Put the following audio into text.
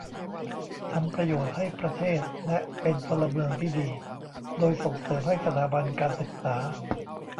ทำประโยชน์ให้ประเทศ และเป็นพลเมืองที่ดี โดยส่งเสริมให้สถาบันการศึกษา